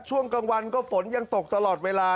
ช่วงกลางวันก็ฝนยังตกตลอดเวลา